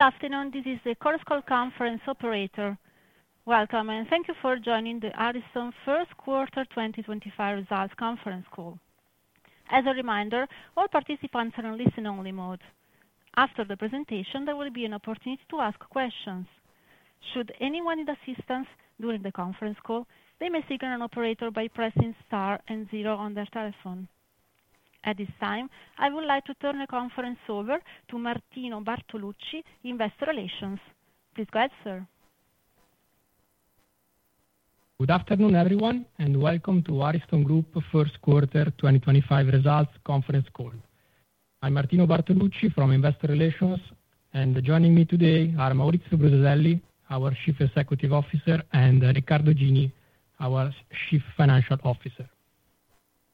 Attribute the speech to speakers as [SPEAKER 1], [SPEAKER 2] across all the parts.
[SPEAKER 1] Good afternoon. This is the CorusCall conference operator. Welcome, and thank you for joining the Ariston First Quarter 2025 results conference call. As a reminder, all participants are on listen-only mode. After the presentation, there will be an opportunity to ask questions. Should anyone need assistance during the conference call, they may signal an operator by pressing star and zero on their telephone. At this time, I would like to turn the conference over to Martino Bartolucci, Investor Relations. Please go ahead, sir.
[SPEAKER 2] Good afternoon, everyone, and welcome to Ariston Group First Quarter 2025 results conference call. I'm Martino Bartolucci from Investor Relations, and joining me today are Maurizio Brusadelli, our Chief Executive Officer, and Riccardo Gini, our Chief Financial Officer.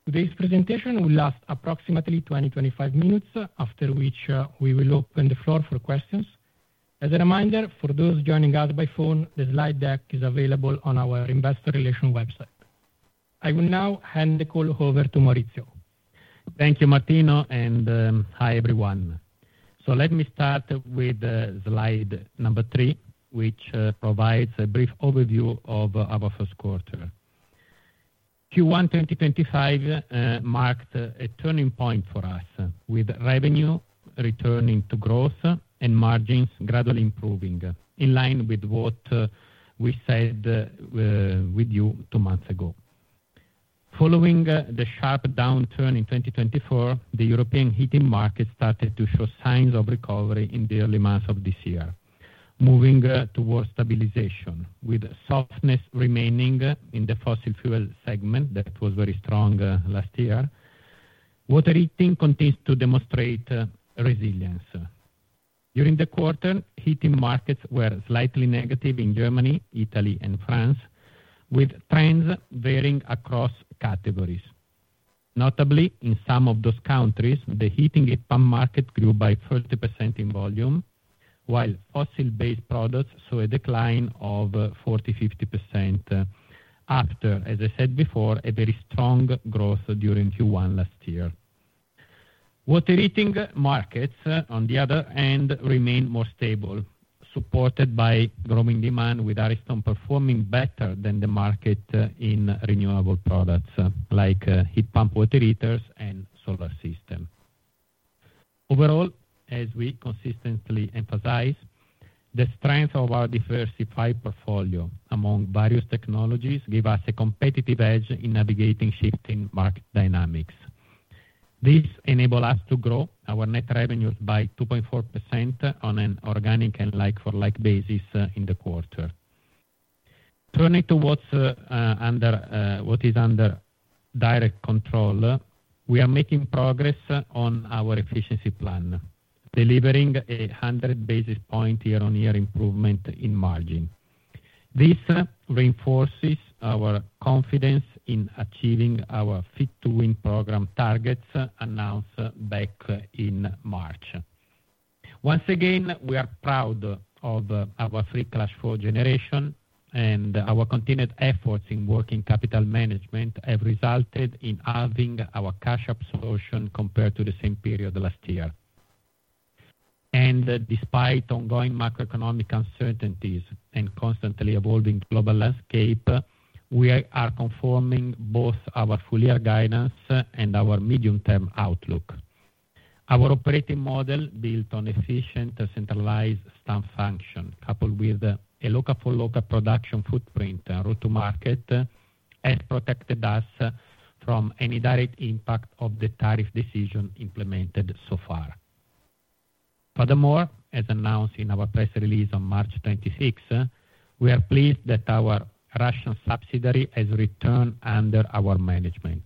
[SPEAKER 2] Today's presentation will last approximately 20 to 25 minutes, after which we will open the floor for questions. As a reminder, for those joining us by phone, the slide deck is available on our Investor Relations website. I will now hand the call over to Maurizio.
[SPEAKER 3] Thank you, Martino, and hi, everyone. Let me start with slide number three, which provides a brief overview of our first quarter. Q1 2025 marked a turning point for us, with revenue returning to growth and margins gradually improving, in line with what we said with you two months ago. Following the sharp downturn in 2024, the European heating market started to show signs of recovery in the early months of this year, moving towards stabilization, with softness remaining in the fossil fuel segment that was very strong last year. Water heating continues to demonstrate resilience. During the quarter, heating markets were slightly negative in Germany, Italy, and France, with trends varying across categories. Notably, in some of those countries, the heating and pump market grew by 30% in volume, while fossil-based products saw a decline of 40%-50% after, as I said before, a very strong growth during Q1 last year. Water heating markets, on the other hand, remained more stable, supported by growing demand, with Ariston performing better than the market in renewable products like heat pump water heaters and solar systems. Overall, as we consistently emphasize, the strength of our diversified portfolio among various technologies gives us a competitive edge in navigating shifting market dynamics. This enables us to grow our net revenues by 2.4% on an organic and like-for-like basis in the quarter. Turning to what is under direct control, we are making progress on our efficiency plan, delivering a 100 basis point year-on-year improvement in margin. This reinforces our confidence in achieving our Fit to Win program targets announced back in March. Once again, we are proud of our free cash flow generation, and our continued efforts in working capital management have resulted in halving our cash absorption compared to the same period last year. Despite ongoing macroeconomic uncertainties and a constantly evolving global landscape, we are confirming both our full-year guidance and our medium-term outlook. Our operating model, built on an efficient centralized staff function, coupled with a local-for-local production footprint and route-to-market, has protected us from any direct impact of the tariff decision implemented so far. Furthermore, as announced in our press release on March 26, we are pleased that our Russian subsidiary has returned under our management.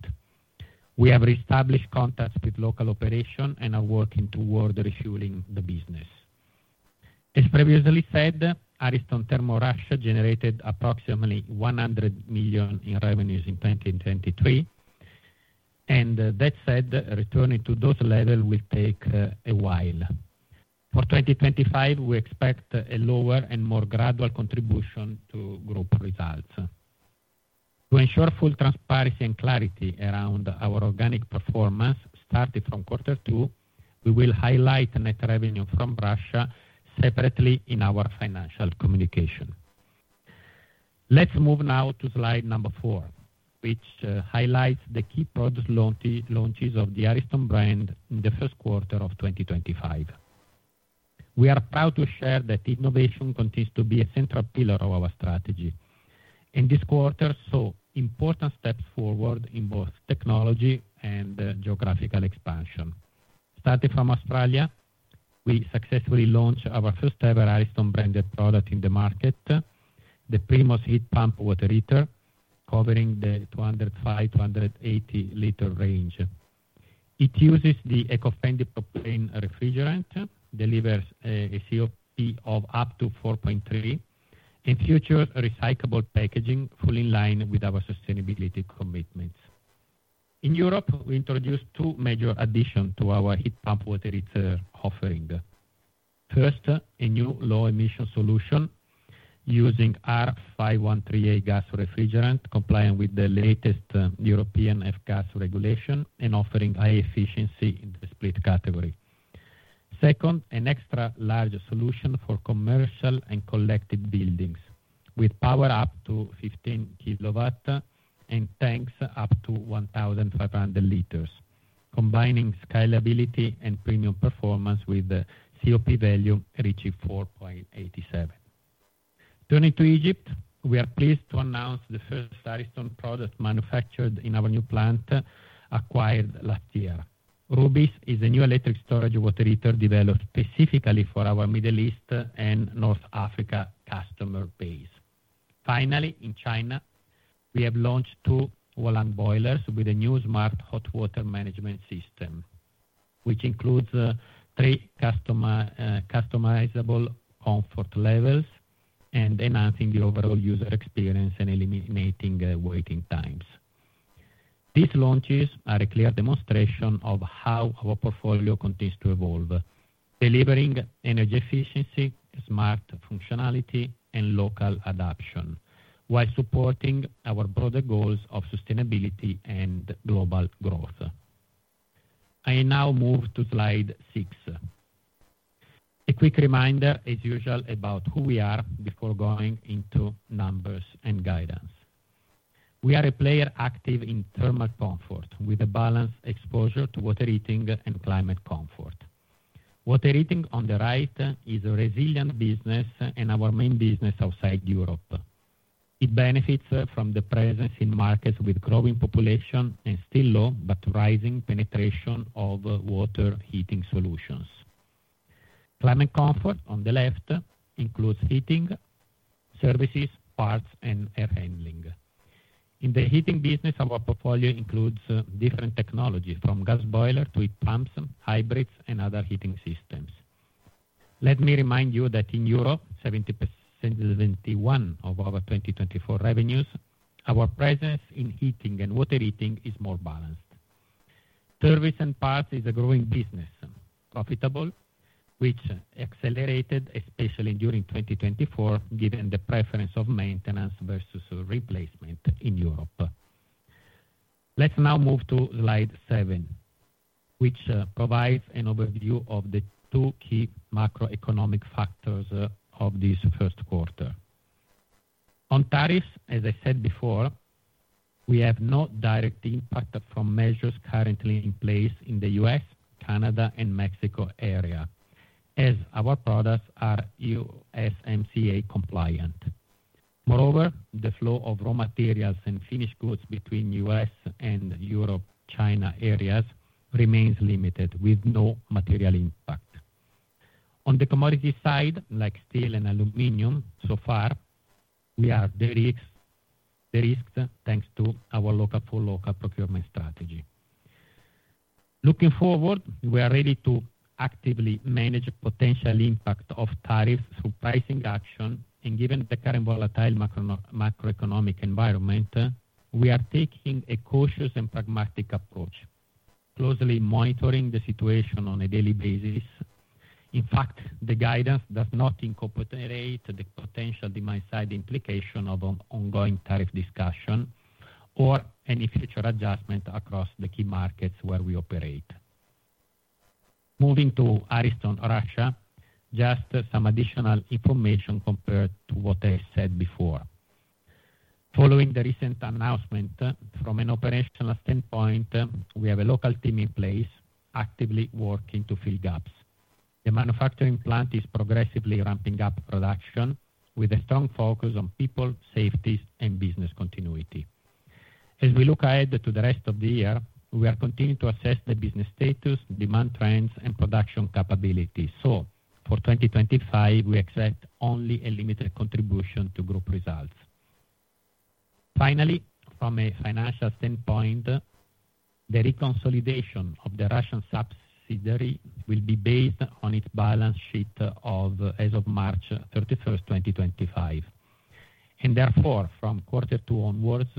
[SPEAKER 3] We have reestablished contacts with local operations and are working toward refueling the business. As previously said, Ariston Thermo Russia generated approximately 100 million in revenues in 2023, and that said, returning to those levels will take a while. For 2025, we expect a lower and more gradual contribution to group results. To ensure full transparency and clarity around our organic performance started from quarter two, we will highlight net revenue from Russia separately in our financial communication. Let's move now to slide number four, which highlights the key product launches of the Ariston brand in the first quarter of 2025. We are proud to share that innovation continues to be a central pillar of our strategy. In this quarter, we saw important steps forward in both technology and geographical expansion. Starting from Australia, we successfully launched our first-ever Ariston-branded product in the market, the Primus Heat Pump Water Heater, covering the 205-280 liter range. It uses the Ecofendi propane refrigerant, delivers a COP of up to 4.3, and future recyclable packaging, fully in line with our sustainability commitments. In Europe, we introduced two major additions to our heat pump water heater offering. First, a new low-emission solution using R513A gas refrigerant, complying with the latest European F-gas regulation and offering high efficiency in the split category. Second, an extra-large solution for commercial and collective buildings, with power up to 15 kilowatts and tanks up to 1,500 liters, combining scalability and premium performance with a COP value reaching 4.87. Turning to Egypt, we are pleased to announce the first Ariston product manufactured in our new plant acquired last year. Rubis is a new electric storage water heater developed specifically for our Middle East and North Africa customer base. Finally, in China, we have launched two Woland boilers with a new smart hot water management system, which includes three customizable comfort levels and enhancing the overall user experience and eliminating waiting times. These launches are a clear demonstration of how our portfolio continues to evolve, delivering energy efficiency, smart functionality, and local adoption, while supporting our broader goals of sustainability and global growth. I now move to slide six. A quick reminder, as usual, about who we are before going into numbers and guidance. We are a player active in thermal comfort, with a balanced exposure to water heating and climate comfort. Water heating on the right is a resilient business and our main business outside Europe. It benefits from the presence in markets with growing population and still low but rising penetration of water heating solutions. Climate comfort on the left includes heating services, parts, and air handling. In the heating business, our portfolio includes different technologies from gas boilers to heat pumps, hybrids, and other heating systems. Let me remind you that in Europe, 71% of our 2024 revenues, our presence in heating and water heating is more balanced. Thermos and parts is a growing business, profitable, which accelerated, especially during 2024, given the preference of maintenance versus replacement in Europe. Let's now move to slide seven, which provides an overview of the two key macroeconomic factors of this first quarter. On tariffs, as I said before, we have no direct impact from measures currently in place in the U.S., Canada, and Mexico area, as our products are USMCA compliant. Moreover, the flow of raw materials and finished goods between U.S. and Europe-China areas remains limited, with no material impact. On the commodity side, like steel and aluminum, so far, we are de-risked thanks to our local-for-local procurement strategy. Looking forward, we are ready to actively manage potential impact of tariffs through pricing action, and given the current volatile macroeconomic environment, we are taking a cautious and pragmatic approach, closely monitoring the situation on a daily basis. In fact, the guidance does not incorporate the potential demand-side implication of ongoing tariff discussion or any future adjustment across the key markets where we operate. Moving to Ariston Russia, just some additional information compared to what I said before. Following the recent announcement, from an operational standpoint, we have a local team in place actively working to fill gaps. The manufacturing plant is progressively ramping up production, with a strong focus on people, safety, and business continuity. As we look ahead to the rest of the year, we are continuing to assess the business status, demand trends, and production capabilities. For 2025, we expect only a limited contribution to group results. Finally, from a financial standpoint, the reconsolidation of the Russian subsidiary will be based on its balance sheet as of March 31, 2025. Therefore, from quarter two onwards,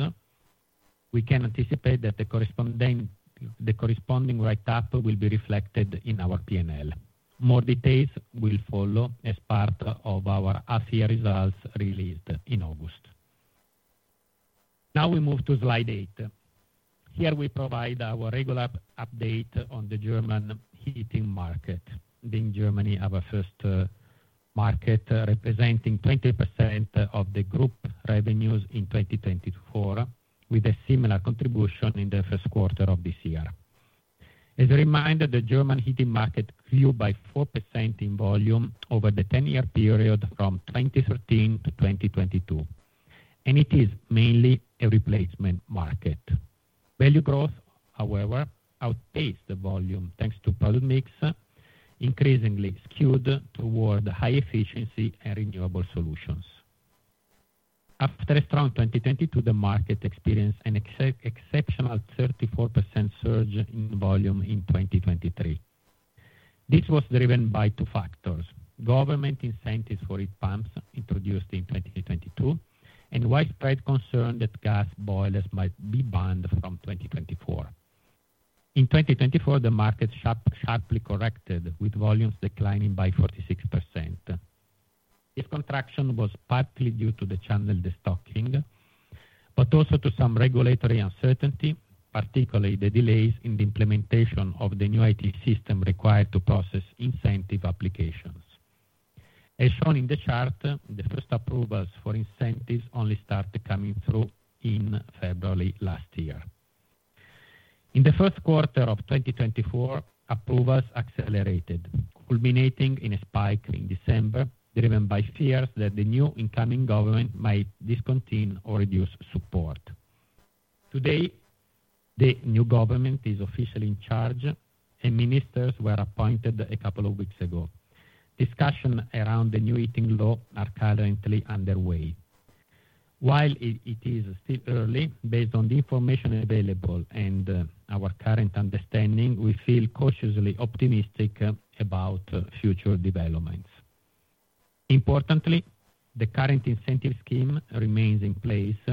[SPEAKER 3] we can anticipate that the corresponding write-up will be reflected in our P&L. More details will follow as part of our Asia results released in August. Now we move to slide eight. Here we provide our regular update on the German heating market. In Germany, our first market representing 20% of the group revenues in 2024, with a similar contribution in the first quarter of this year. As a reminder, the German heating market grew by 4% in volume over the 10-year period from 2013 to 2022, and it is mainly a replacement market. Value growth, however, outpaced the volume thanks to product mix, increasingly skewed toward high efficiency and renewable solutions. After a strong 2022, the market experienced an exceptional 34% surge in volume in 2023. This was driven by two factors: government incentives for heat pumps introduced in 2022 and widespread concern that gas boilers might be banned from 2024. In 2024, the market sharply corrected, with volumes declining by 46%. This contraction was partly due to the channel destocking, but also to some regulatory uncertainty, particularly the delays in the implementation of the new IT system required to process incentive applications. As shown in the chart, the first approvals for incentives only started coming through in February last year. In the first quarter of 2024, approvals accelerated, culminating in a spike in December, driven by fears that the new incoming government might discontinue or reduce support. Today, the new government is officially in charge, and ministers were appointed a couple of weeks ago. Discussions around the new heating law are currently underway. While it is still early, based on the information available and our current understanding, we feel cautiously optimistic about future developments. Importantly, the current incentive scheme remains in place,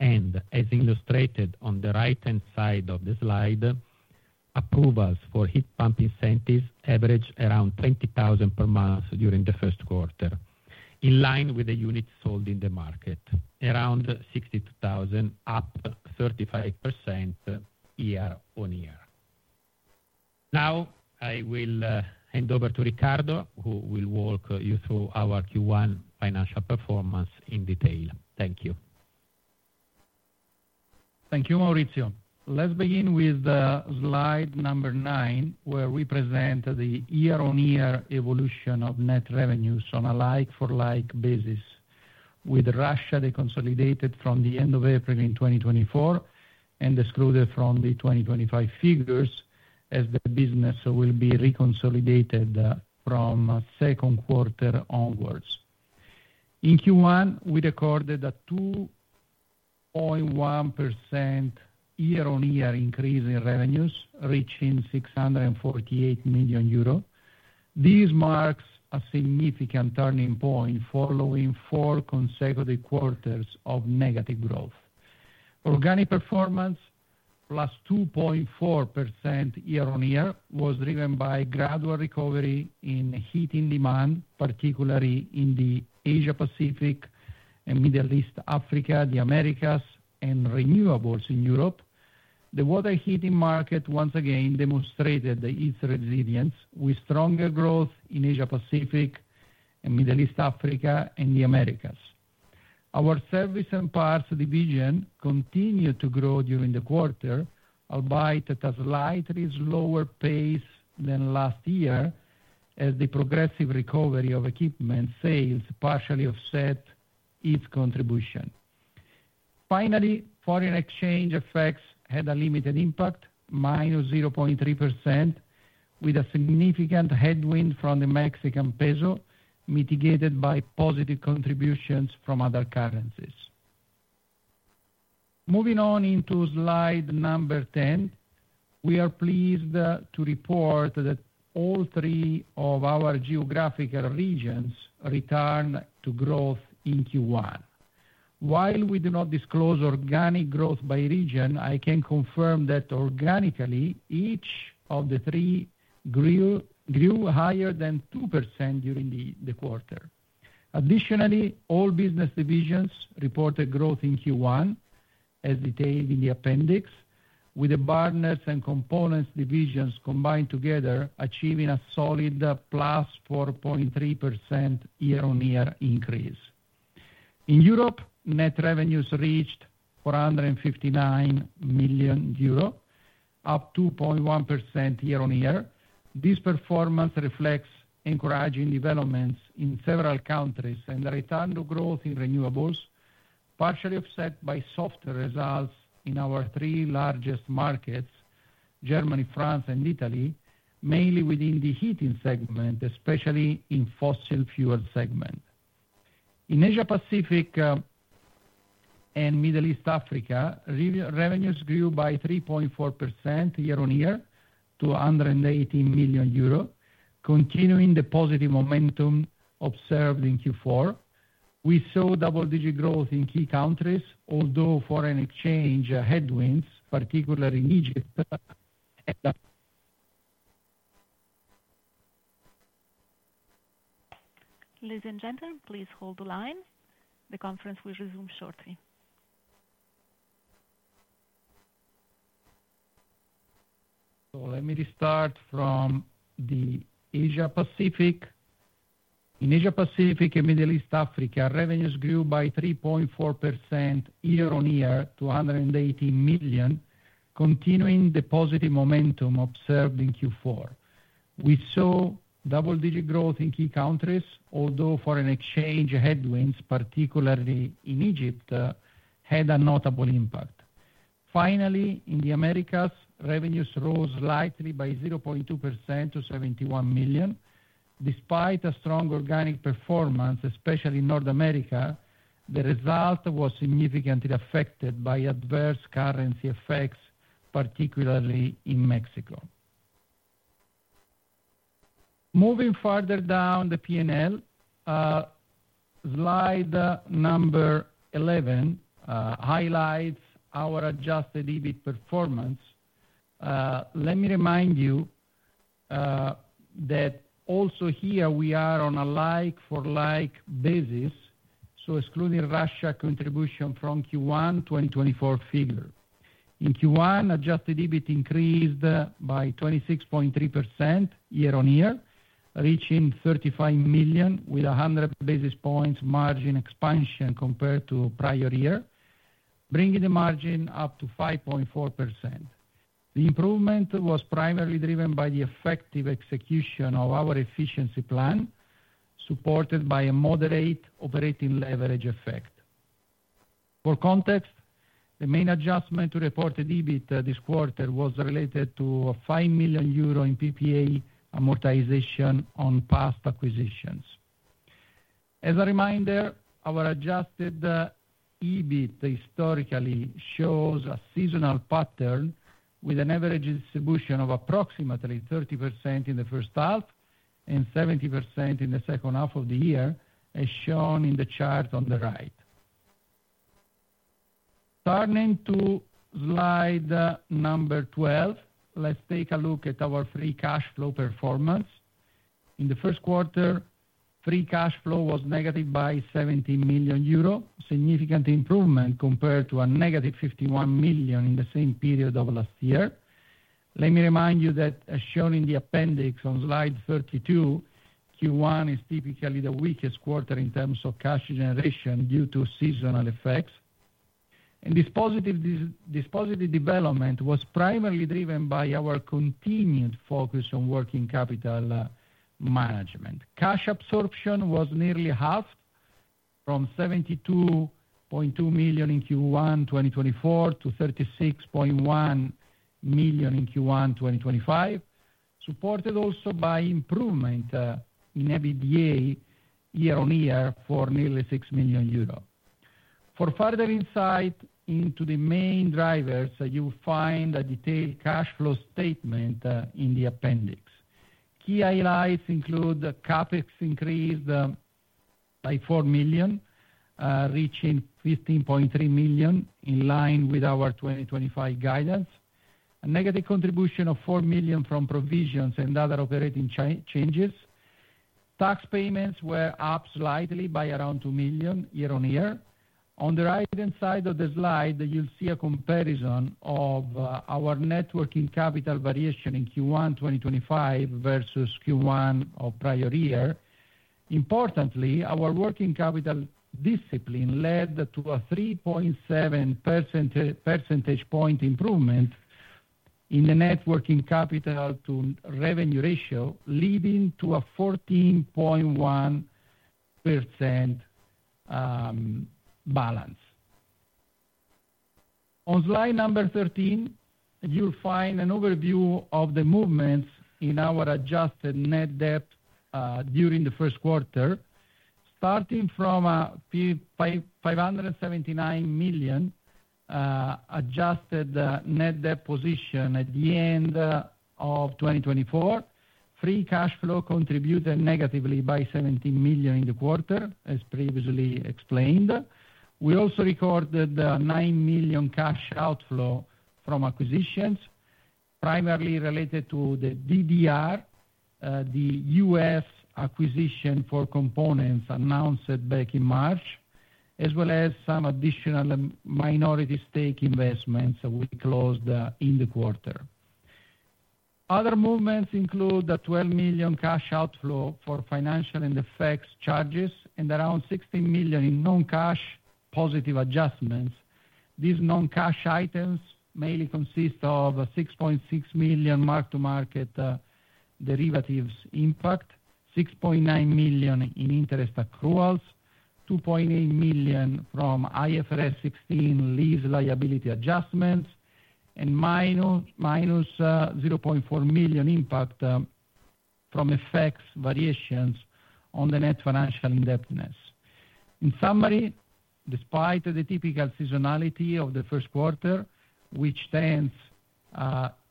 [SPEAKER 3] and as illustrated on the right-hand side of the slide, approvals for heat pump incentives average around 20,000 per month during the first quarter, in line with the units sold in the market, around 62,000, up 35% year-on-year. Now, I will hand over to Riccardo, who will walk you through our Q1 financial performance in detail. Thank you.
[SPEAKER 4] Thank you, Maurizio. Let's begin with slide number nine, where we present the year-on-year evolution of net revenues on a like-for-like basis, with Russia deconsolidated from the end of April in 2024 and excluded from the 2025 figures, as the business will be reconsolidated from second quarter onwards. In Q1, we recorded a 2.1% year-on-year increase in revenues, reaching 648 million euro. This marks a significant turning point following four consecutive quarters of negative growth. Organic performance, plus 2.4% year-on-year, was driven by gradual recovery in heating demand, particularly in the Asia-Pacific and Middle East, Africa, the Americas, and renewables in Europe. The water heating market once again demonstrated its resilience, with stronger growth in Asia-Pacific and Middle East, Africa, and the Americas. Our service and parts division continued to grow during the quarter, albeit at a slightly slower pace than last year, as the progressive recovery of equipment sales partially offset its contribution. Finally, foreign exchange effects had a limited impact, minus 0.3%, with a significant headwind from the Mexican peso, mitigated by positive contributions from other currencies. Moving on into slide number 10, we are pleased to report that all three of our geographical regions returned to growth in Q1. While we do not disclose organic growth by region, I can confirm that organically, each of the three grew higher than 2% during the quarter. Additionally, all business divisions reported growth in Q1, as detailed in the appendix, with the burners and components divisions combined together, achieving a solid plus 4.3% year-on-year increase. In Europe, net revenues reached 459 million euro, up 2.1% year-on-year. This performance reflects encouraging developments in several countries and a return to growth in renewables, partially offset by soft results in our three largest markets, Germany, France, and Italy, mainly within the heating segment, especially in the fossil fuel segment. In Asia-Pacific and Middle East, Africa, revenues grew by 3.4% year-on-year to 118 million euro, continuing the positive momentum observed in Q4. We saw double-digit growth in key countries, although foreign exchange headwinds, particularly in Egypt. Ladies and gentlemen, please hold the line. The conference will resume shortly. Let me start from the Asia-Pacific. In Asia-Pacific and Middle East, Africa, revenues grew by 3.4% year-on-year to 118 million, continuing the positive momentum observed in Q4. We saw double-digit growth in key countries, although foreign exchange headwinds, particularly in Egypt, had a notable impact. Finally, in the Americas, revenues rose slightly by 0.2% to 71 million. Despite a strong organic performance, especially in North America, the result was significantly affected by adverse currency effects, particularly in Mexico. Moving further down the P&L, slide number 11 highlights our adjusted EBIT performance. Let me remind you that also here we are on a like-for-like basis, so excluding Russia contribution from Q1 2024 figure. In Q1, adjusted EBIT increased by 26.3% year-on-year, reaching 35 million with 100 basis points margin expansion compared to prior year, bringing the margin up to 5.4%. The improvement was primarily driven by the effective execution of our efficiency plan, supported by a moderate operating leverage effect. For context, the main adjustment to reported EBIT this quarter was related to 5 million euro in PPA amortization on past acquisitions. As a reminder, our adjusted EBIT historically shows a seasonal pattern, with an average distribution of approximately 30% in the first half and 70% in the second half of the year, as shown in the chart on the right. Turning to slide number 12, let's take a look at our free cash flow performance. In the first quarter, free cash flow was negative by 17 million euro, a significant improvement compared to a negative 51 million in the same period of last year. Let me remind you that, as shown in the appendix on slide 32, Q1 is typically the weakest quarter in terms of cash generation due to seasonal effects. This positive development was primarily driven by our continued focus on working capital management. Cash absorption was nearly halved from 72.2 million in Q1 2024 to 36.1 million in Q1 2025, supported also by improvement in EBITDA year-on-year for nearly 6 million euros. For further insight into the main drivers, you will find a detailed cash flow statement in the appendix. Key highlights include CAPEX increased by 4 million, reaching 15.3 million, in line with our 2025 guidance, a negative contribution of 4 million from provisions and other operating changes. Tax payments were up slightly by around 2 million year-on-year. On the right-hand side of the slide, you'll see a comparison of our networking capital variation in Q1 2025 versus Q1 of prior year. Importantly, our working capital discipline led to a 3.7 percentage point improvement in the networking capital to revenue ratio, leading to a 14.1% balance. On slide number 13, you'll find an overview of the movements in our adjusted net debt during the first quarter, starting from 579 million adjusted net debt position at the end of 2024. Free cash flow contributed negatively by 17 million in the quarter, as previously explained. We also recorded 9 million cash outflow from acquisitions, primarily related to DDR, the U.S. acquisition for components announced back in March, as well as some additional minority stake investments we closed in the quarter. Other movements include 12 million cash outflow for financial and effects charges and around 16 million in non-cash positive adjustments. These non-cash items mainly consist of 6.6 million mark-to-market derivatives impact, 6.9 million in interest accruals, 2.8 million from IFRS 16 lease liability adjustments, and minus 0.4 million impact from effects variations on the net financial indebtedness. In summary, despite the typical seasonality of the first quarter, which tends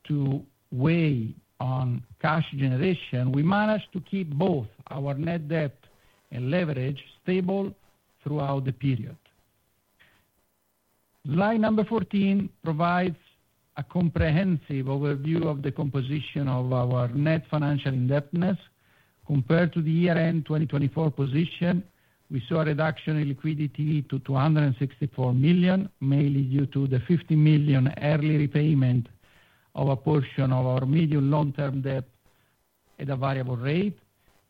[SPEAKER 4] to weigh on cash generation, we managed to keep both our net debt and leverage stable throughout the period. Slide number 14 provides a comprehensive overview of the composition of our net financial indebtedness. Compared to the year-end 2024 position, we saw a reduction in liquidity to 264 million, mainly due to the 50 million early repayment of a portion of our medium long-term debt at a variable rate.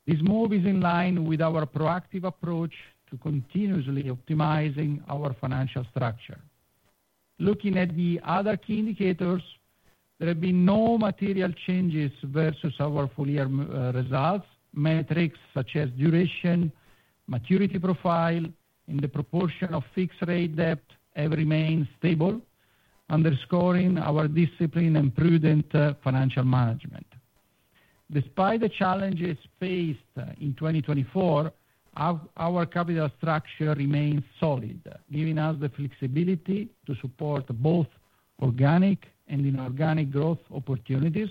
[SPEAKER 4] This move is in line with our proactive approach to continuously optimizing our financial structure. Looking at the other key indicators, there have been no material changes versus our full-year results. Metrics such as duration, maturity profile, and the proportion of fixed-rate debt have remained stable, underscoring our discipline and prudent financial management. Despite the challenges faced in 2024, our capital structure remains solid, giving us the flexibility to support both organic and inorganic growth opportunities.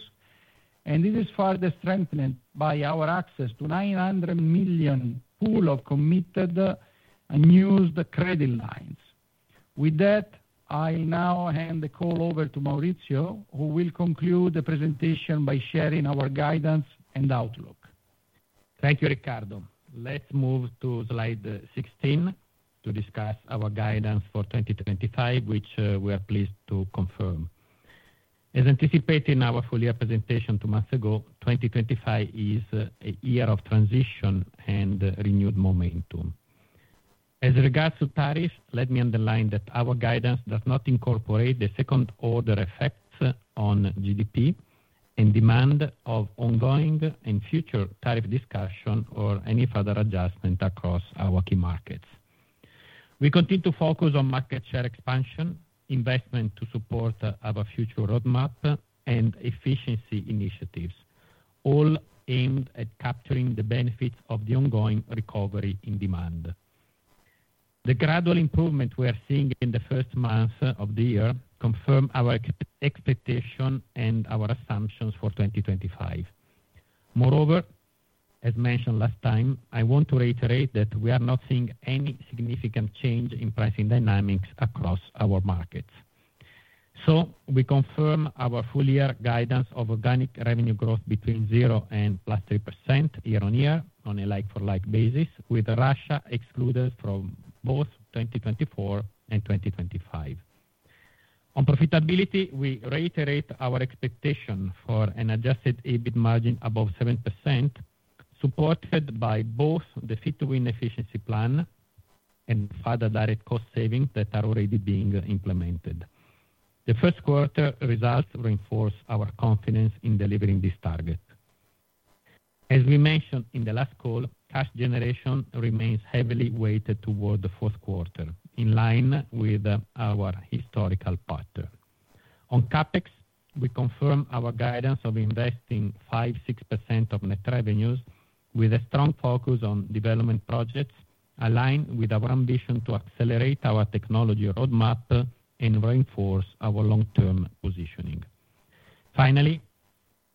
[SPEAKER 4] This is further strengthened by our access to 900 million pool of committed and used credit lines. With that, I now hand the call over to Maurizio, who will conclude the presentation by sharing our guidance and outlook.
[SPEAKER 3] Thank you, Riccardo. Let's move to slide 16 to discuss our guidance for 2025, which we are pleased to confirm. As anticipated in our full-year presentation two months ago, 2025 is a year of transition and renewed momentum. As regards to tariffs, let me underline that our guidance does not incorporate the second-order effects on GDP and demand of ongoing and future tariff discussion or any further adjustment across our key markets. We continue to focus on market share expansion, investment to support our future roadmap, and efficiency initiatives, all aimed at capturing the benefits of the ongoing recovery in demand. The gradual improvement we are seeing in the first month of the year confirms our expectation and our assumptions for 2025. Moreover, as mentioned last time, I want to reiterate that we are not seeing any significant change in pricing dynamics across our markets. We confirm our full-year guidance of organic revenue growth between 0-3% year-on-year on a like-for-like basis, with Russia excluded from both 2024 and 2025. On profitability, we reiterate our expectation for an adjusted EBIT margin above 7%, supported by both the Fit to Win efficiency plan and further direct cost savings that are already being implemented. The first quarter results reinforce our confidence in delivering this target. As we mentioned in the last call, cash generation remains heavily weighted toward the fourth quarter, in line with our historical pattern. On CAPEX, we confirm our guidance of investing 5%-6% of net revenues, with a strong focus on development projects, aligned with our ambition to accelerate our technology roadmap and reinforce our long-term positioning. Finally,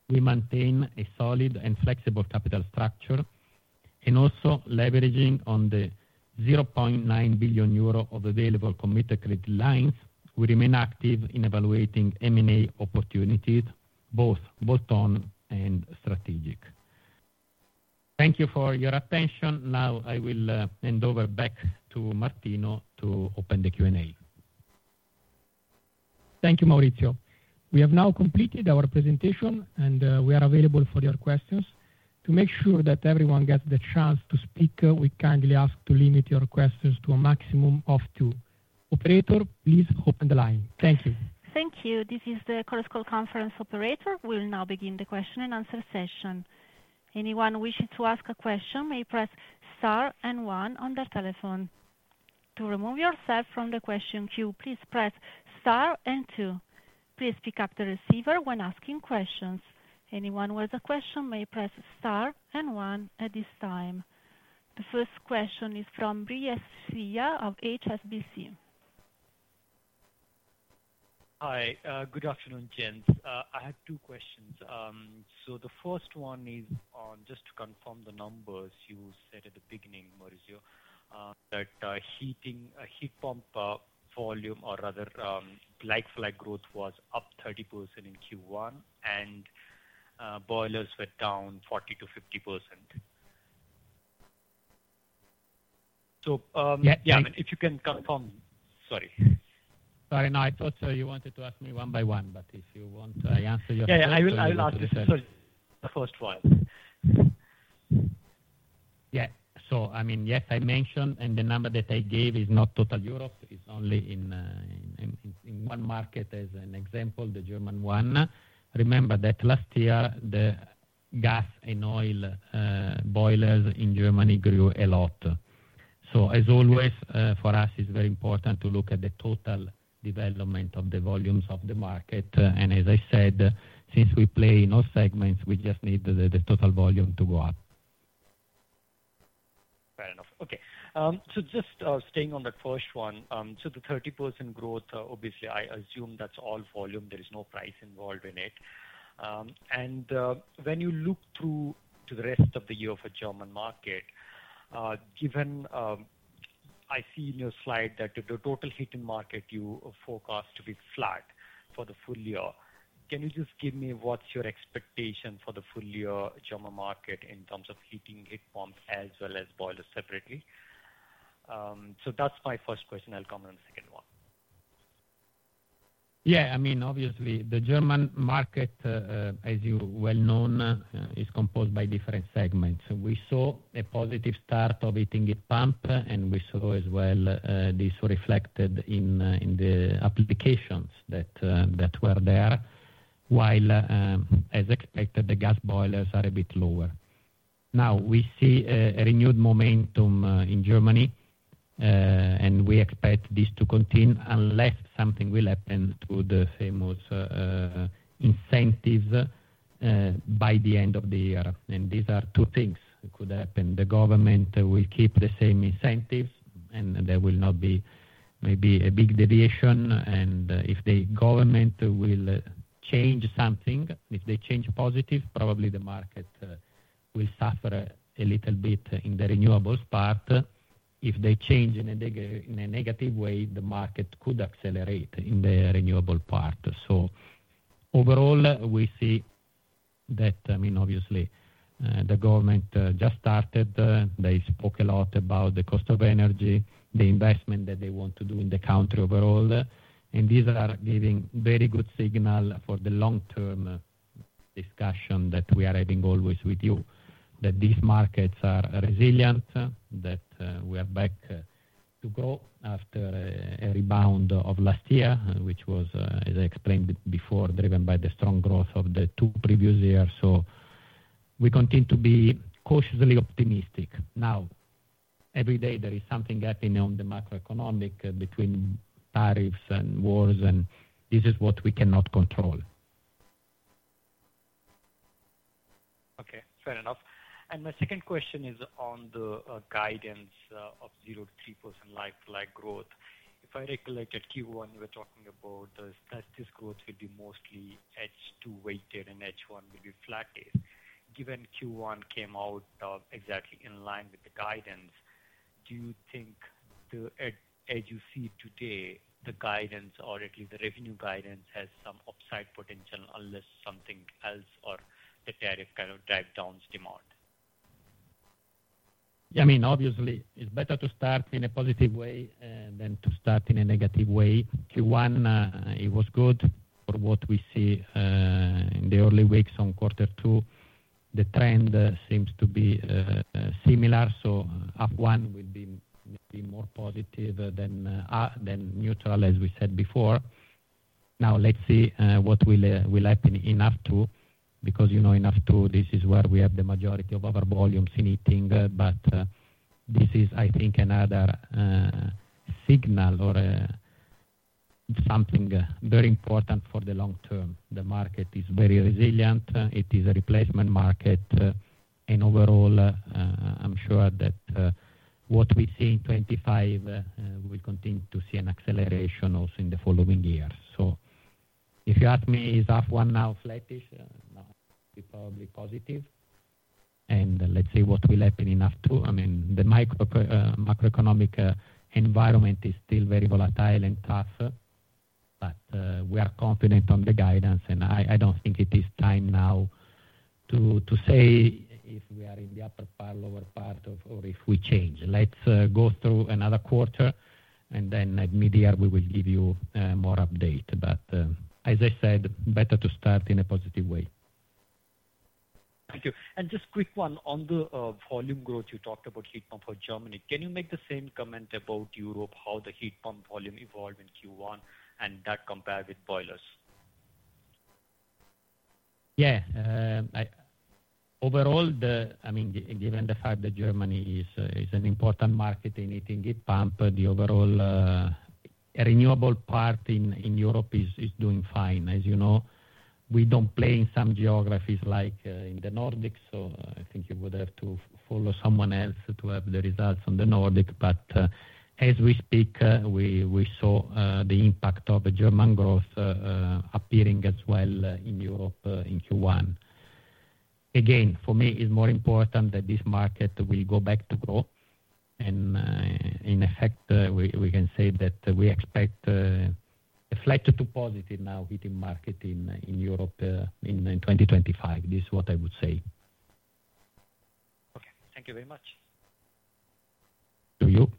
[SPEAKER 3] we maintain a solid and flexible capital structure. Also, leveraging on the 0.9 billion euro of available committed credit lines, we remain active in evaluating M&A opportunities, both bolt-on and strategic. Thank you for your attention. Now, I will hand over back to Martino to open the Q&A.
[SPEAKER 2] Thank you, Maurizio. We have now completed our presentation, and we are available for your questions. To make sure that everyone gets the chance to speak, we kindly ask to limit your questions to a maximum of two. Operator, please open the line. Thank you.
[SPEAKER 1] Thank you. This is the CorusCall conference operator. We'll now begin the question-and-answer session. Anyone wishing to ask a question may press star and one on their telephone. To remove yourself from the question queue, please press star and two. Please pick up the receiver when asking questions. Anyone with a question may press star and one at this time. The first question is from Bryce Sia of HSBC.
[SPEAKER 5] Hi. Good afternoon, gents. I have two questions. The first one is on just to confirm the numbers you said at the beginning, Maurizio, that heat pump volume, or rather likewise growth, was up 30% in Q1, and boilers were down 40-50%. If you can confirm, sorry. Sorry, no, I thought you wanted to ask me one by one, but if you want, I answer your question. Yeah, yeah, I will answer the first one.
[SPEAKER 3] Yeah. I mean, yes, I mentioned, and the number that I gave is not total Europe, it is only in one market as an example, the German one. Remember that last year, the gas and oil boilers in Germany grew a lot. As always, for us, it is very important to look at the total development of the volumes of the market. As I said, since we play in all segments, we just need the total volume to go up. Fair enough. Okay. Just staying on that first one, the 30% growth, obviously, I assume that is all volume, there is no price involved in it. When you look through to the rest of the year for the German market, given I see in your slide that the total heating market you forecast to be flat for the full year, can you just give me what's your expectation for the full year German market in terms of heating heat pumps as well as boilers separately? That's my first question. I'll come on the second one. Yeah. I mean, obviously, the German market, as you well know, is composed by different segments. We saw a positive start of heating heat pump, and we saw as well this reflected in the applications that were there. While, as expected, the gas boilers are a bit lower. Now, we see a renewed momentum in Germany, and we expect this to continue unless something will happen to the famous incentives by the end of the year. These are two things that could happen. The government will keep the same incentives, and there will not be maybe a big deviation. If the government will change something, if they change positive, probably the market will suffer a little bit in the renewables part. If they change in a negative way, the market could accelerate in the renewable part. Overall, we see that, I mean, obviously, the government just started. They spoke a lot about the cost of energy, the investment that they want to do in the country overall. These are giving very good signals for the long-term discussion that we are having always with you, that these markets are resilient, that we are back to go after a rebound of last year, which was, as I explained before, driven by the strong growth of the two previous years. We continue to be cautiously optimistic. Every day there is something happening on the macroeconomic between tariffs and wars, and this is what we cannot control. Okay. Fair enough. My second question is on the guidance of 0-3% like-for-like growth. If I recollect at Q1, we were talking about that this growth would be mostly H2 weighted and H1 would be flat. Given Q1 came out exactly in line with the guidance, do you think, as you see today, the guidance, or at least the revenue guidance, has some upside potential unless something else or the tariff kind of drives down demand? Yeah. I mean, obviously, it is better to start in a positive way than to start in a negative way. Q1, it was good for what we see in the early weeks on quarter two. The trend seems to be similar. F1 will be more positive than neutral, as we said before. Now, let's see what will happen in F2, because in F2, this is where we have the majority of our volumes in heating. This is, I think, another signal or something very important for the long term. The market is very resilient. It is a replacement market. Overall, I'm sure that what we see in 2025, we will continue to see an acceleration also in the following years. If you ask me, is F1 now flattish? No, it's probably positive. Let's see what will happen in F2. I mean, the macroeconomic environment is still very volatile and tough, but we are confident on the guidance. I don't think it is time now to say if we are in the upper part, lower part, or if we change. Let's go through another quarter, and then at mid-year, we will give you more update. As I said, better to start in a positive way.
[SPEAKER 5] Thank you. Just a quick one on the volume growth. You talked about heat pump for Germany. Can you make the same comment about Europe, how the heat pump volume evolved in Q1 and that compared with boilers?
[SPEAKER 3] Yeah. Overall, I mean, given the fact that Germany is an important market in heating heat pump, the overall renewable part in Europe is doing fine. As you know, we do not play in some geographies like in the Nordics. I think you would have to follow someone else to have the results on the Nordic. As we speak, we saw the impact of German growth appearing as well in Europe in Q1. Again, for me, it's more important that this market will go back to grow. In effect, we can say that we expect a flat to positive now heating market in Europe in 2025. This is what I would say.
[SPEAKER 5] Okay. Thank you very much. To you.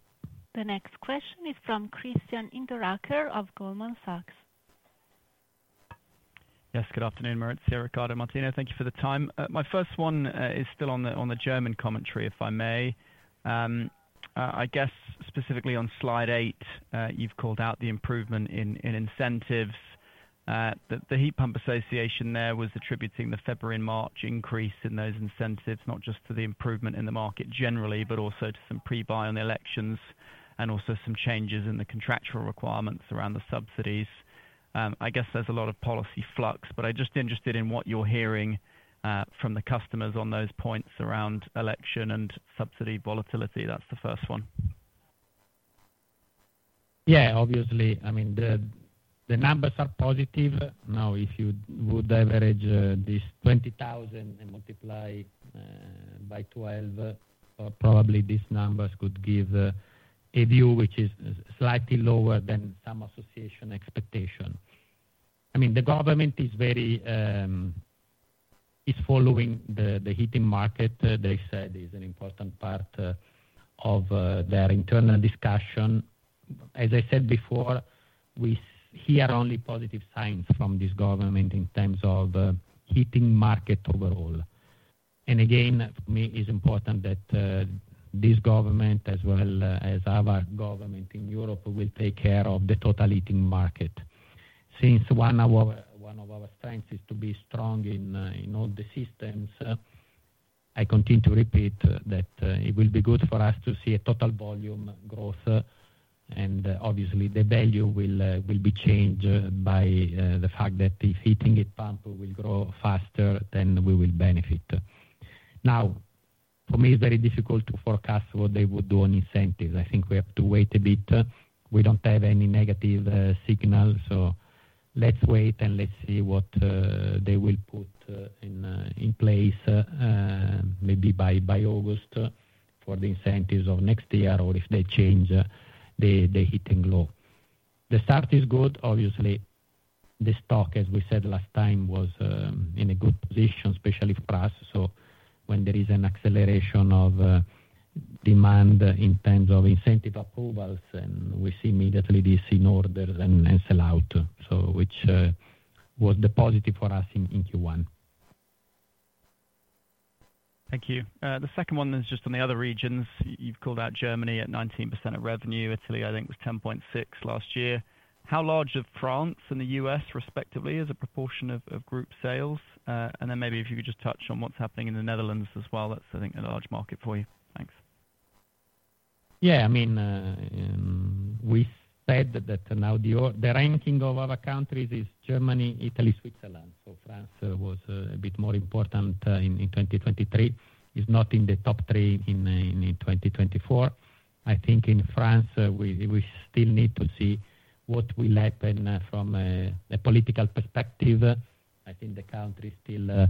[SPEAKER 1] The next question is from Christian Hinderaker of Goldman Sachs.
[SPEAKER 6] Yes. Good afternoon, Maurizio. Riccardo, Martino, thank you for the time. My first one is still on the German commentary, if I may. I guess specifically on slide eight, you've called out the improvement in incentives. The Heat Pump Association there was attributing the February and March increase in those incentives, not just to the improvement in the market generally, but also to some pre-buy on the elections and also some changes in the contractual requirements around the subsidies. I guess there's a lot of policy flux, but I'm just interested in what you're hearing from the customers on those points around election and subsidy volatility. That's the first one.
[SPEAKER 3] Yeah. Obviously, I mean, the numbers are positive. Now, if you would average this 20,000 and multiply by 12, probably these numbers could give a view which is slightly lower than some association expectation. I mean, the government is following the heating market. They said it's an important part of their internal discussion. As I said before, we hear only positive signs from this government in terms of heating market overall. Again, for me, it's important that this government, as well as our government in Europe, will take care of the total heating market. Since one of our strengths is to be strong in all the systems, I continue to repeat that it will be good for us to see a total volume growth. Obviously, the value will be changed by the fact that if heating heat pump will grow faster, then we will benefit. Now, for me, it's very difficult to forecast what they would do on incentives. I think we have to wait a bit. We do not have any negative signal. Let's wait and see what they will put in place, maybe by August, for the incentives of next year, or if they change the heating law. The start is good. Obviously, the stock, as we said last time, was in a good position, especially for us. When there is an acceleration of demand in terms of incentive approvals, we see immediately this in orders and sell out, which was the positive for us in Q1.
[SPEAKER 6] Thank you. The second one is just on the other regions. You've called out Germany at 19% of revenue. Italy, I think, was 10.6% last year. How large are France and the U.S. respectively as a proportion of group sales? Maybe if you could just touch on what's happening in the Netherlands as well. That's, I think, a large market for you. Thanks.
[SPEAKER 3] Yeah. I mean, we said that now the ranking of our countries is Germany, Italy, Switzerland. France was a bit more important in 2023. It's not in the top three in 2024. I think in France, we still need to see what will happen from a political perspective. I think the country is still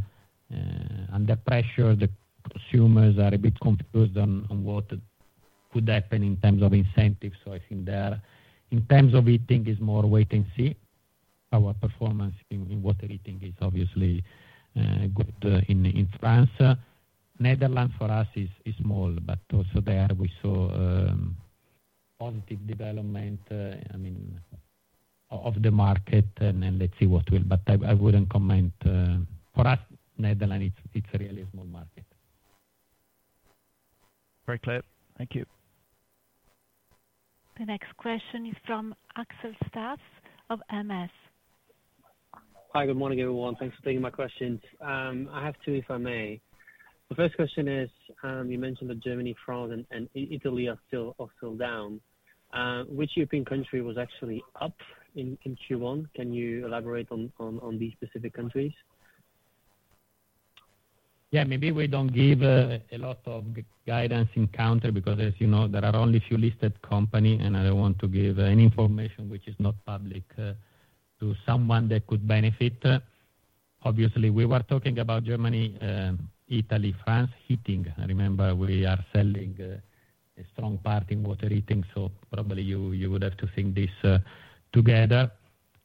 [SPEAKER 3] under pressure. The consumers are a bit confused on what could happen in terms of incentives. I think there, in terms of heating, it's more wait and see. Our performance in water heating is obviously good in France. Netherlands for us is small, but also there we saw positive development, I mean, of the market. Let's see what will. I wouldn't comment. For us, Netherlands, it's a really small market.
[SPEAKER 6] Very clear. Thank you.
[SPEAKER 1] The next question is from Axel Stass of MS.
[SPEAKER 7] Hi. Good morning, everyone. Thanks for taking my questions. I have two, if I may. The first question is, you mentioned that Germany, France, and Italy are still down. Which European country was actually up in Q1? Can you elaborate on these specific countries? Yeah.
[SPEAKER 3] Maybe we do not give a lot of guidance in counter because, as you know, there are only a few listed companies, and I do not want to give any information which is not public to someone that could benefit. Obviously, we were talking about Germany, Italy, France heating. I remember we are selling a strong part in water heating, so probably you would have to think this together.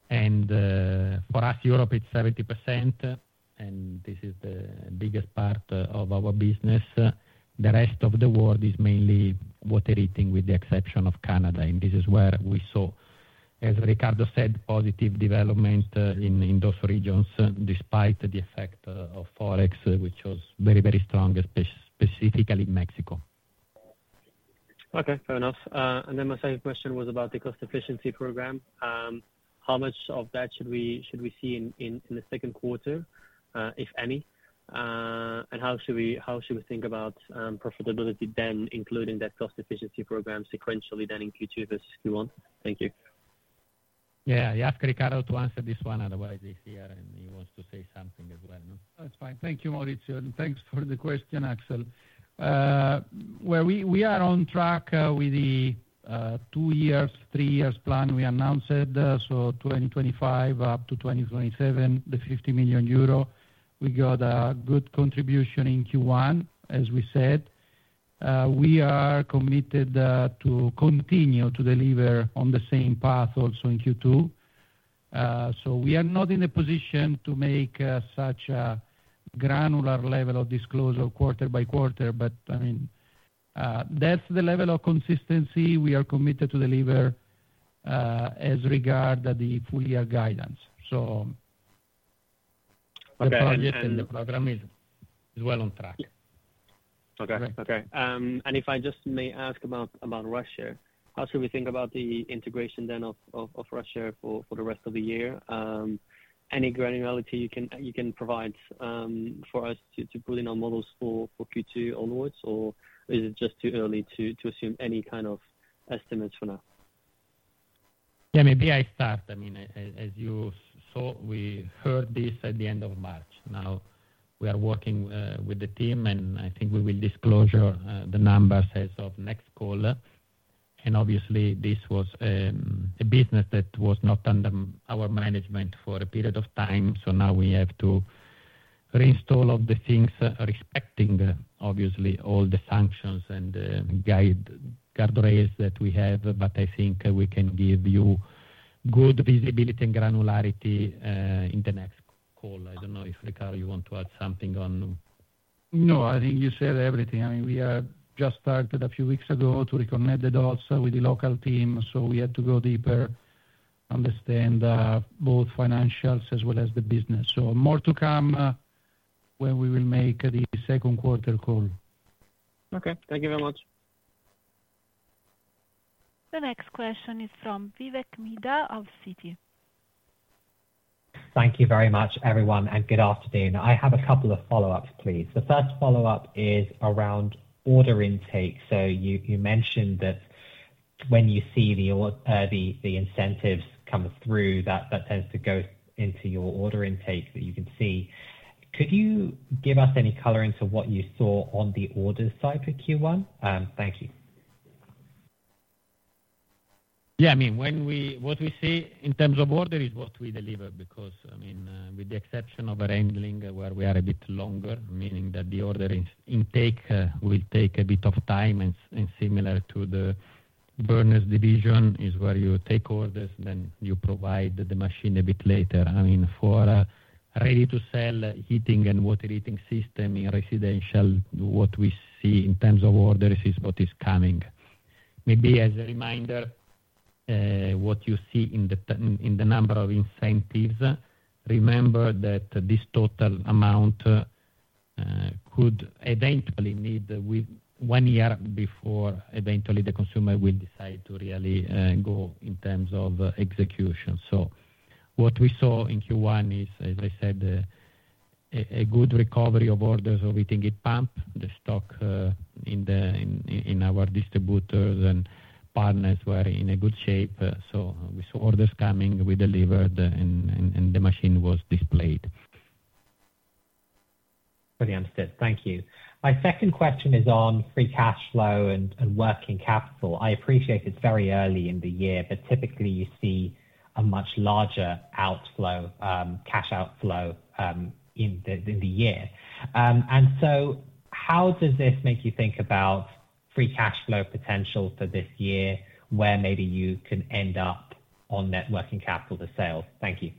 [SPEAKER 3] For us, Europe, it is 70%, and this is the biggest part of our business. The rest of the world is mainly water heating, with the exception of Canada. This is where we saw, as Riccardo said, positive development in those regions despite the effect of Forex, which was very, very strong, specifically Mexico.
[SPEAKER 7] Okay. Fair enough. My second question was about the cost efficiency program. How much of that should we see in the second quarter, if any? How should we think about profitability then, including that cost efficiency program sequentially then in Q2 versus Q1? Thank you.
[SPEAKER 3] Yeah. You ask Riccardo to answer this one otherwise this year, and he wants to say something as well. That's fine.
[SPEAKER 4] Thank you, Maurizio. And thanks for the question, Axel. We are on track with the two-year, three-year plan we announced. So 2025 up to 2027, the 50 million euro. We got a good contribution in Q1, as we said. We are committed to continue to deliver on the same path also in Q2. We are not in a position to make such a granular level of disclosure quarter by quarter, but I mean, that's the level of consistency we are committed to deliver as regard the full-year guidance.
[SPEAKER 3] The project and the program is well on track. Okay. Okay.
[SPEAKER 8] If I just may ask about Russia, how should we think about the integration then of Russia for the rest of the year? Any granularity you can provide for us to put in our models for Q2 onwards, or is it just too early to assume any kind of estimates for now?
[SPEAKER 3] Yeah. Maybe I start. I mean, as you saw, we heard this at the end of March. Now, we are working with the team, and I think we will disclose the numbers as of next call. Obviously, this was a business that was not under our management for a period of time. Now we have to reinstall all the things, respecting, obviously, all the sanctions and guardrails that we have. I think we can give you good visibility and granularity in the next call. I don't know if Riccardo, you want to add something on.
[SPEAKER 4] No, I think you said everything. I mean, we just started a few weeks ago to reconnect the dots with the local team. We had to go deeper, understand both financials as well as the business. More to come when we will make the second quarter call.
[SPEAKER 7] Okay. Thank you very much.
[SPEAKER 1] The next question is from Vivek Midha of Citi.
[SPEAKER 9] Thank you very much, everyone, and good afternoon. I have a couple of follow-ups, please. The first follow-up is around order intake. You mentioned that when you see the incentives come through, that tends to go into your order intake that you can see. Could you give us any color into what you saw on the order side for Q1? Thank you. Yeah.
[SPEAKER 3] I mean, what we see in terms of order is what we deliver because, I mean, with the exception of a rendering where we are a bit longer, meaning that the order intake will take a bit of time. Similar to the burners division, it is where you take orders, then you provide the machine a bit later. I mean, for a ready-to-sell heating and water heating system in residential, what we see in terms of orders is what is coming. Maybe as a reminder, what you see in the number of incentives, remember that this total amount could eventually need one year before eventually the consumer will decide to really go in terms of execution. What we saw in Q1 is, as I said, a good recovery of orders of heating heat pump. The stock in our distributors and partners were in good shape. We saw orders coming, we delivered, and the machine was displayed.
[SPEAKER 9] Understood. Thank you. My second question is on free cash flow and working capital. I appreciate it's very early in the year, but typically, you see a much larger cash outflow in the year. How does this make you think about free cash flow potential for this year where maybe you can end up on net working capital to sale? Thank you.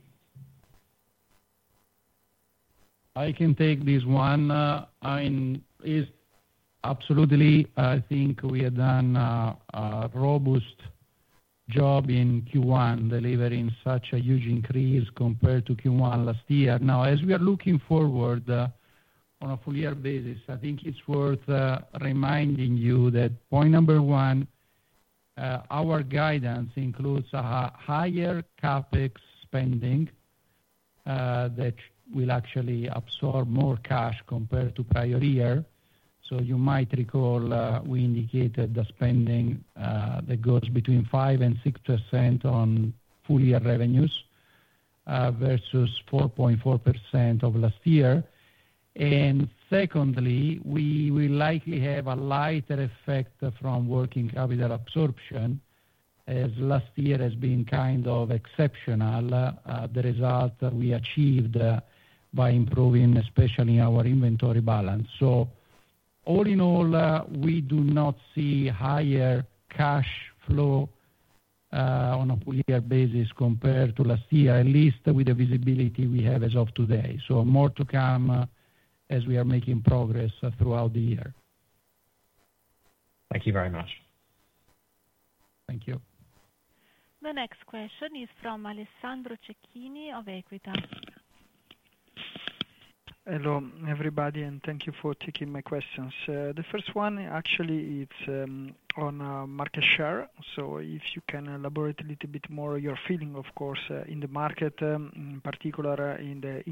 [SPEAKER 4] I can take this one. I mean, absolutely, I think we have done a robust job in Q1, delivering such a huge increase compared to Q1 last year. Now, as we are looking forward on a full-year basis, I think it's worth reminding you that point number one, our guidance includes a higher CAPEX spending that will actually absorb more cash compared to prior year. You might recall we indicated the spending that goes between 5-6% on full-year revenues versus 4.4% of last year. Secondly, we will likely have a lighter effect from working capital absorption as last year has been kind of exceptional, the result we achieved by improving, especially our inventory balance. All in all, we do not see higher cash flow on a full-year basis compared to last year, at least with the visibility we have as of today. More to come as we are making progress throughout the year.
[SPEAKER 9] Thank you very much.
[SPEAKER 4] Thank you.
[SPEAKER 1] The next question is from Alessandro Cecchini of Equita.
[SPEAKER 10] Hello, everybody, and thank you for taking my questions. The first one, actually, it's on market share. If you can elaborate a little bit more on your feeling, of course, in the market, in particular in the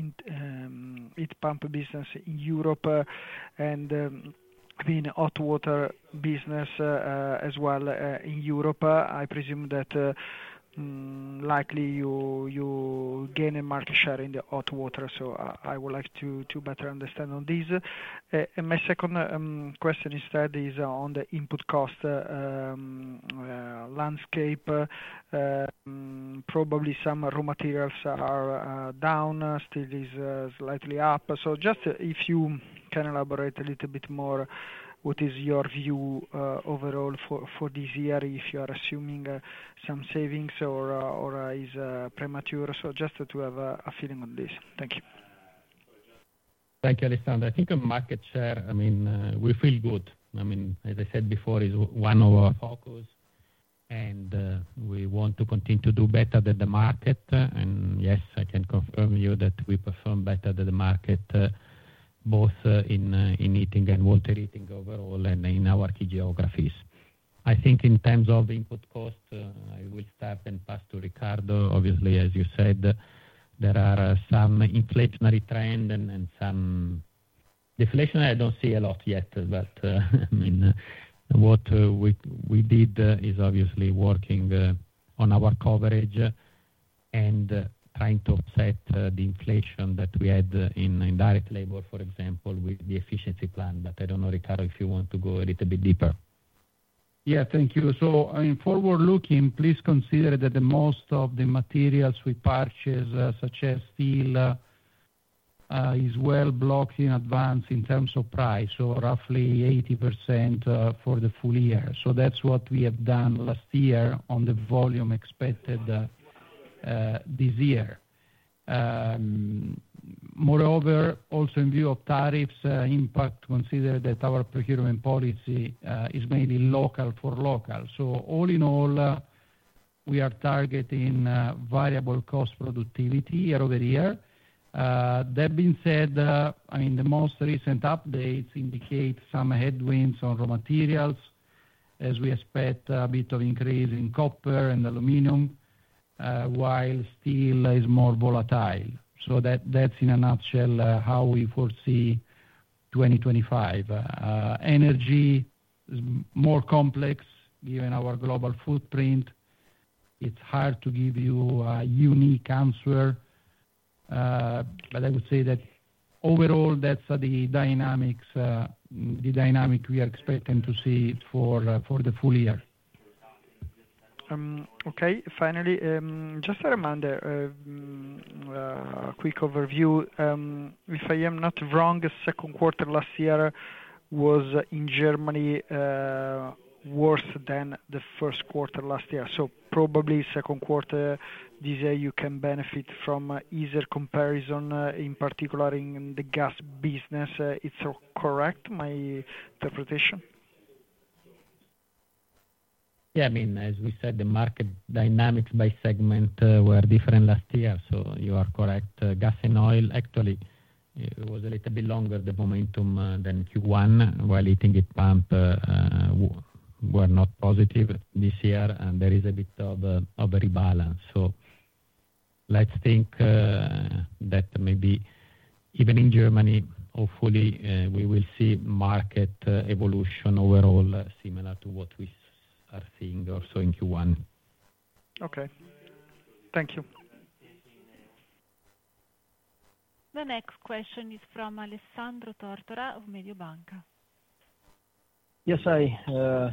[SPEAKER 10] heat pump business in Europe and the hot water business as well in Europe, I presume that likely you gain a market share in the hot water. I would like to better understand on this. My second question instead is on the input cost landscape. Probably some raw materials are down, still is slightly up. If you can elaborate a little bit more, what is your view overall for this year if you are assuming some savings or is premature? Just to have a feeling on this. Thank you.
[SPEAKER 3] Thank you, Alessandro. I think market share, I mean, we feel good. I mean, as I said before, it is one of our focus, and we want to continue to do better than the market. Yes, I can confirm you that we perform better than the market, both in heating and water heating overall and in our key geographies. I think in terms of input cost, I will start and pass to Riccardo. Obviously, as you said, there are some inflationary trends and some deflation. I do not see a lot yet, but I mean, what we did is obviously working on our coverage and trying to offset the inflation that we had in direct labor, for example, with the efficiency plan. I do not know, Riccardo, if you want to go a little bit deeper.
[SPEAKER 4] Yeah. Thank you. I mean, forward-looking, please consider that most of the materials we purchase, such as steel, is well blocked in advance in terms of price, so roughly 80% for the full year. That is what we have done last year on the volume expected this year. Moreover, also in view of tariffs impact, consider that our procurement policy is mainly local for local. All in all, we are targeting variable cost productivity year over year. That being said, I mean, the most recent updates indicate some headwinds on raw materials, as we expect a bit of increase in copper and aluminum, while steel is more volatile. That is in a nutshell how we foresee 2025. Energy is more complex given our global footprint. It is hard to give you a unique answer, but I would say that overall, that is the dynamic we are expecting to see for the full year.
[SPEAKER 10] Okay. Finally, just a reminder, a quick overview. If I am not wrong, the second quarter last year was in Germany worse than the first quarter last year. Probably second quarter this year, you can benefit from easier comparison, in particular in the gas business. It's correct, my interpretation?
[SPEAKER 3] Yeah. I mean, as we said, the market dynamics by segment were different last year. So you are correct. Gas and oil, actually, it was a little bit longer the momentum than Q1, while heating heat pump were not positive this year. And there is a bit of a rebalance. Let's think that maybe even in Germany, hopefully, we will see market evolution overall similar to what we are seeing also in Q1.
[SPEAKER 10] Okay. Thank you.
[SPEAKER 1] The next question is from Alessandro Tortora of Mediobanca.
[SPEAKER 11] Yes.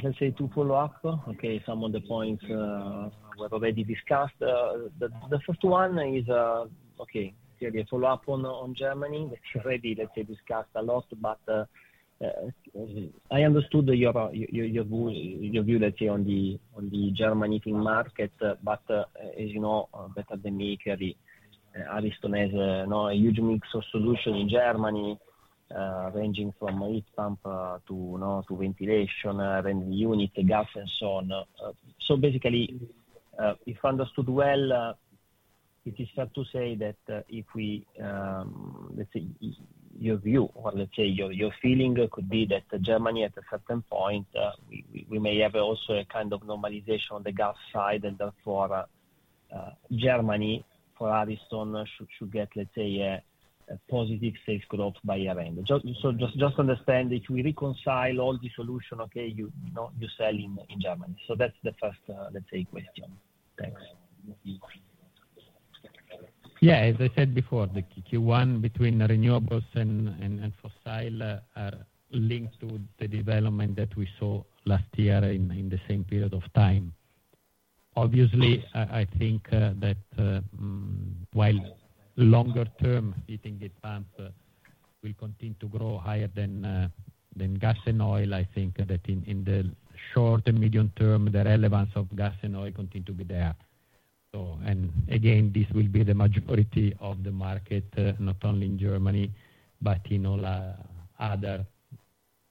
[SPEAKER 11] Let's say to follow up, okay, some of the points we have already discussed. The first one is, okay, a follow-up on Germany. We already, let's say, discussed a lot, but I understood your view, let's say, on the German heating market. As you know better than me, Kerry, Ariston has a huge mix of solutions in Germany, ranging from heat pump to ventilation, rendering unit, gas, and so on. Basically, if I understood well, it is fair to say that if we, let's say, your view or let's say your feeling could be that Germany at a certain point, we may have also a kind of normalization on the gas side, and therefore Germany, for Ariston, should get, let's say, a positive sales growth by year-end. I just want to understand that we reconcile all the solutions, okay, you sell in Germany. That is the first, let's say, question. Thanks.
[SPEAKER 3] Yeah. As I said before, the Q1 between renewables and fossil are linked to the development that we saw last year in the same period of time. Obviously, I think that while longer-term heating heat pumps will continue to grow higher than gas and oil, I think that in the short and medium term, the relevance of gas and oil continues to be there. Again, this will be the majority of the market, not only in Germany, but in all other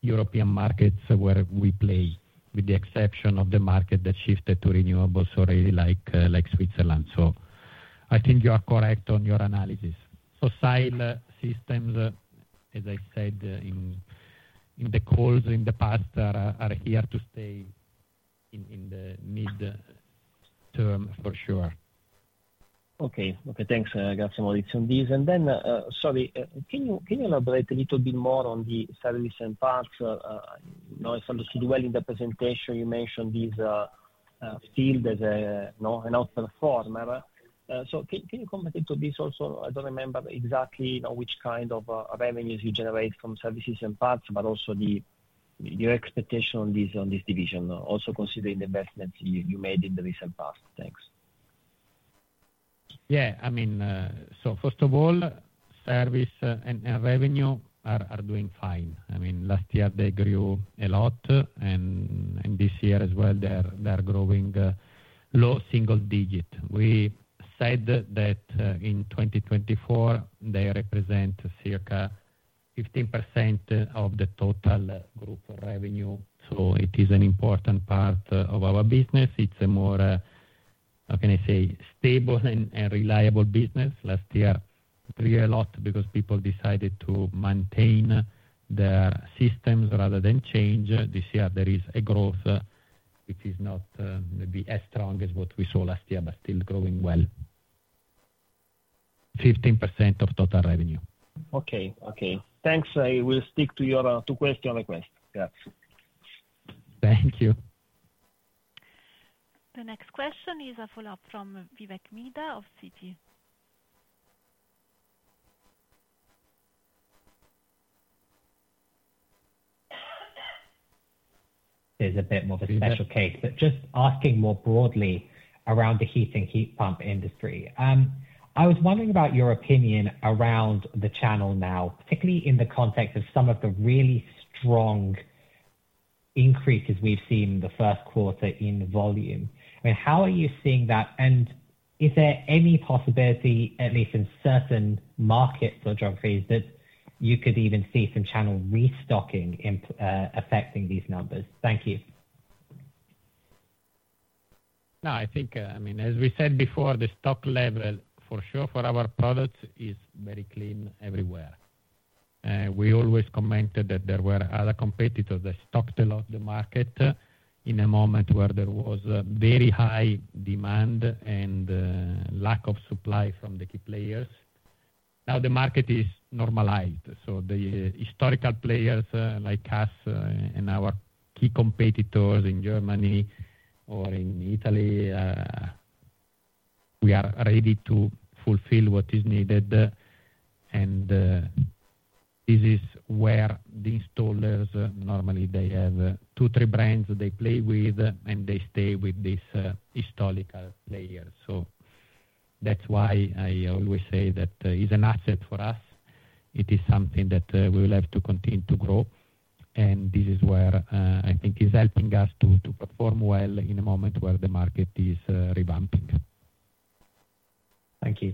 [SPEAKER 3] European markets where we play, with the exception of the market that shifted to renewables already like Switzerland. I think you are correct on your analysis. Fossil systems, as I said in the calls in the past, are here to stay in the midterm for sure.
[SPEAKER 11] Okay. Thanks. I got some audits on this. Sorry, can you elaborate a little bit more on the services and parts? I understood well in the presentation you mentioned this field as an outperformer. Can you comment into this also? I don't remember exactly which kind of revenues you generate from services and parts, but also your expectation on this division, also considering the investments you made in the recent past. Thanks.
[SPEAKER 3] Yeah. I mean, so first of all, service and revenue are doing fine. I mean, last year, they grew a lot, and this year as well, they are growing low single digit. We said that in 2024, they represent circa 15% of the total group revenue. It is an important part of our business. It's a more, how can I say, stable and reliable business. Last year, it grew a lot because people decided to maintain their systems rather than change. This year, there is a growth which is not as strong as what we saw last year, but still growing well, 15% of total revenue.
[SPEAKER 11] Okay. Okay. Thanks. I will stick to your two question requests.
[SPEAKER 3] Yeah. Thank you.
[SPEAKER 1] The next question is a follow-up from Vivek Midha of Citi.
[SPEAKER 9] It's a bit more of a special case, but just asking more broadly around the heating heat pump industry. I was wondering about your opinion around the channel now, particularly in the context of some of the really strong increases we've seen in the first quarter in volume. I mean, how are you seeing that? And is there any possibility, at least in certain markets or geographies, that you could even see some channel restocking affecting these numbers? Thank you.
[SPEAKER 3] No, I think, I mean, as we said before, the stock level for sure for our products is very clean everywhere. We always commented that there were other competitors that stocked a lot of the market in a moment where there was very high demand and lack of supply from the key players. Now the market is normalized. The historical players like us and our key competitors in Germany or in Italy, we are ready to fulfill what is needed. This is where the installers, normally, they have two, three brands they play with, and they stay with these historical players. That is why I always say that it is an asset for us. It is something that we will have to continue to grow. This is where I think it is helping us to perform well in a moment where the market is revamping.
[SPEAKER 9] Thank you.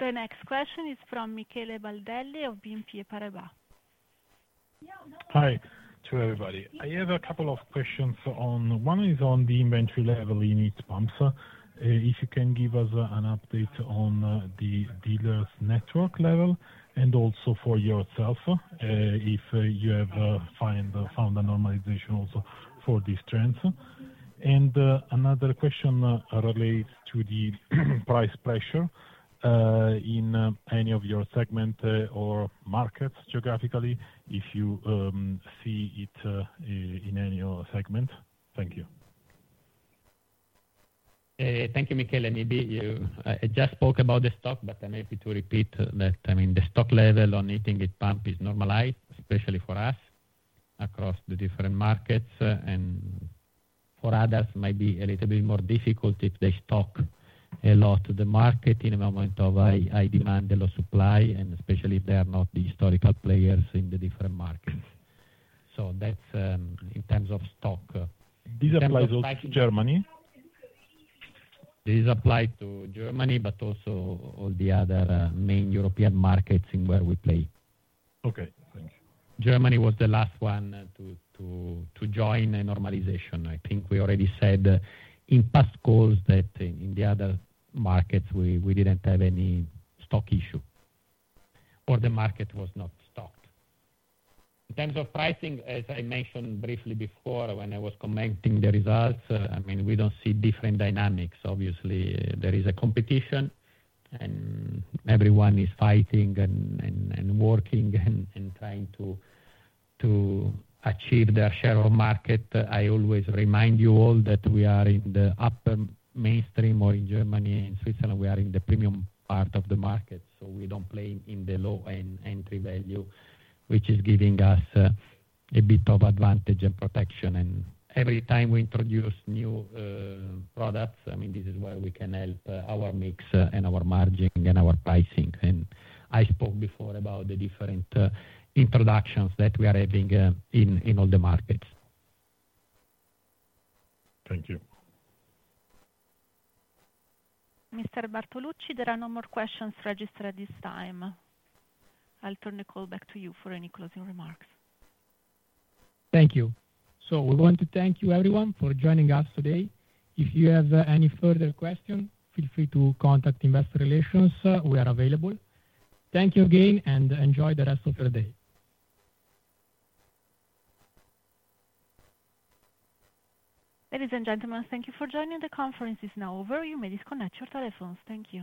[SPEAKER 1] The next question is from Michele Baldelli of BNP Paribas.
[SPEAKER 12] Hi. Hello everybody. I have a couple of questions. One is on the inventory level in heat pumps. If you can give us an update on the dealer's network level and also for yourself if you have found a normalization also for these trends. Another question relates to the price pressure in any of your segment or markets geographically, if you see it in any segment. Thank you.
[SPEAKER 3] Thank you, Michele. Maybe you just spoke about the stock, but I am happy to repeat that. I mean, the stock level on heating heat pump is normalized, especially for us across the different markets. For others, it might be a little bit more difficult if they stock a lot of the market in a moment of high demand, low supply, and especially if they are not the historical players in the different markets. That is in terms of stock. These apply also to Germany? These apply to Germany, but also all the other main European markets where we play. Okay. Thanks. Germany was the last one to join a normalization. I think we already said in past calls that in the other markets, we did not have any stock issue or the market was not stocked. In terms of pricing, as I mentioned briefly before when I was commenting the results, I mean, we do not see different dynamics. Obviously, there is a competition, and everyone is fighting and working and trying to achieve their share of market. I always remind you all that we are in the upper mainstream or in Germany and Switzerland, we are in the premium part of the market. We do not play in the low-end entry value, which is giving us a bit of advantage and protection. Every time we introduce new products, I mean, this is where we can help our mix and our margin and our pricing. I spoke before about the different introductions that we are having in all the markets.
[SPEAKER 12] Thank you.
[SPEAKER 1] Mr. Bartolucci, there are no more questions registered at this time. I'll turn the call back to you for any closing remarks.
[SPEAKER 2] Thank you. We want to thank you, everyone, for joining us today. If you have any further questions, feel free to contact Investor Relations. We are available. Thank you again, and enjoy the rest of your day.
[SPEAKER 1] Ladies and gentlemen, thank you for joining. The conference is now over. You may disconnect your telephones. Thank you.